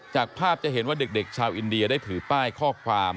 จากภาพจะเห็นว่าเด็กชาวอินเดียได้ถือป้ายข้อความ